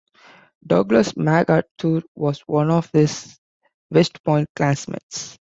Douglas MacArthur was one of his West Point classmates.